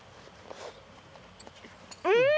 うん！